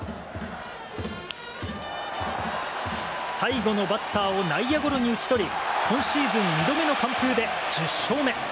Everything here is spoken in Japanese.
最後のバッターを内野ゴロに打ち取り今シーズン２度目の完封で１０勝目。